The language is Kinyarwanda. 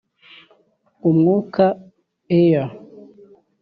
umwuka (air)